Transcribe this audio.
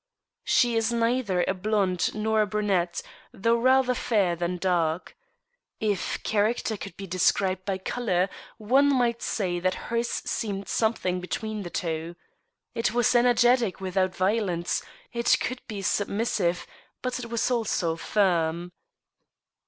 She is neither a blonde nor a brunette, though rather fair than dark. If character could be described by color, one might say that hers seemed something between the two. It was energetic without violence ; it could be submissive, but it was also firm.